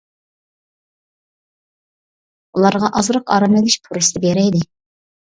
ئۇلارغا ئازراق ئارام ئېلىش پۇرسىتى بېرەيلى.